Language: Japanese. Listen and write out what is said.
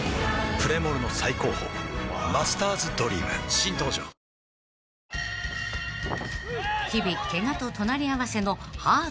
プレモルの最高峰「マスターズドリーム」新登場ワオ［日々］